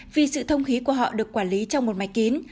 vì sự thông khí của họ được quản lý trong một máy kín